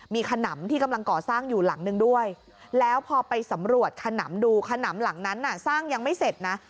มีขนำที่กำลังก่อสร้างอยู่หลังนึงด้วยแล้วพอไปสำรวจขนำดูขนำหลังนั้นน่ะสร้างยังไม่เสร็จนะ